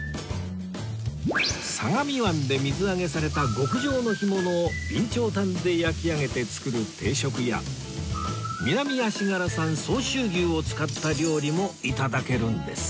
相模湾で水揚げされた極上の干物を備長炭で焼き上げて作る定食や南足柄産相州牛を使った料理も頂けるんです